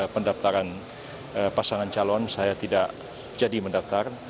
pendaftaran pasangan calon saya tidak jadi mendaftar